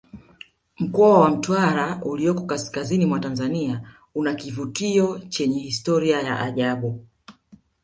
mkoa wa mtwara ulioko kusini mwa tanzania una kivutio chenye historia ya ajabu